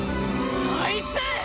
あいつ！